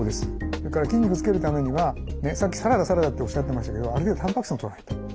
それから筋肉つけるためにはさっきサラダサラダっておっしゃってましたけどある程度たんぱく質もとらないと。